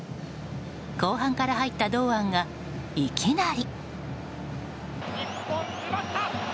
後半から入った堂安がいきなり。